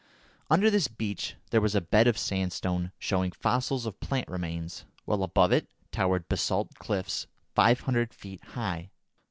Under this beach there was a bed of sandstone showing fossils of plant remains, while above it towered basalt cliffs five hundred feet high.